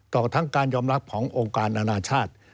ทั้งการยอมรับขององค์การอนาชาติ